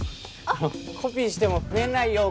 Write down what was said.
あのコピーしても増えないよ